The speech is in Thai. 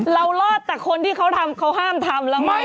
รอดแต่คนที่เขาทำเขาห้ามทำแล้วไหม